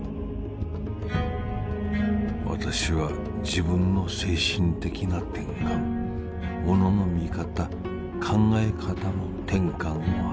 「私は自分の精神的な転換モノの見方考え方の転換をはかった」。